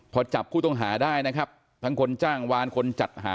พอจับผู้ต้องหาได้นะครับทั้งคนจ้างวานคนจัดหา